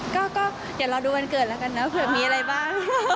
ก็เดี๋ยวรอดูวันเกิดแล้วกันนะเผื่อมีอะไรบ้าง